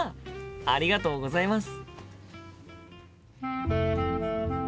ありがとうございます。